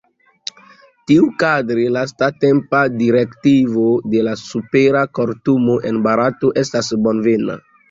Tiukadre lastatempa direktivo de la supera kortumo en Barato estas bonvena.